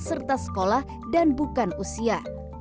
serta sekolah dan bukan usia